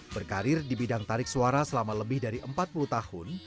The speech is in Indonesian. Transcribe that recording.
berkarir di bidang tarik suara selama lebih dari empat puluh tahun